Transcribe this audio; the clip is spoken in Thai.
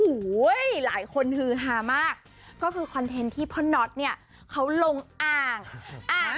โอ้โหหลายคนฮือฮามากก็คือคอนเทนต์ที่พ่อน็อตเนี่ยเขาลงอ่างอ่าง